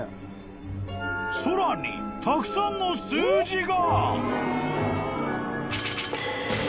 ［空にたくさんの数字が］